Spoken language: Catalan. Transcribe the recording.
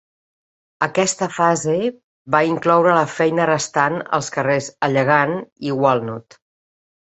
Aquesta fase va incloure la feina restant als carrers Allegan i Walnut.